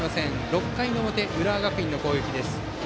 ６回の表、浦和学院の攻撃です。